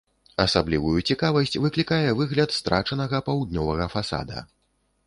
Асаблівую цікавасць выклікае выгляд страчанага паўднёвага фасада.